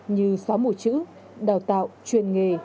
như xóa mùa chữ đào tạo truyền nghề